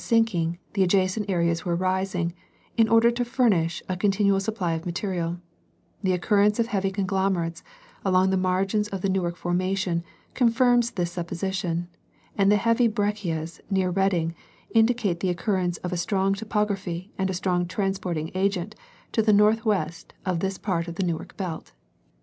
sinking, the adjacent areas were rising, in order to furnish a con tinual supply of material ; the occurrence of heavy conglomerates along the mai'gins of the Newark formation confirms this suppo sition, and the heavy breccias near Reading indicate the occur rence of a strong topography and a strong transporting agent to the northwest of this part of the Newark belt.